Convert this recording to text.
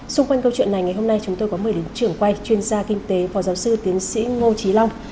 xung quanh câu chuyện này ngày hôm nay chúng tôi có mời đến trưởng quay chuyên gia kinh tế phó giáo sư tiến sĩ ngô trí long